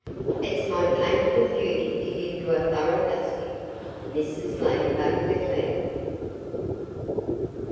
"It's my painful duty to give you a thorough dusting," Mrs. Ladybug declared.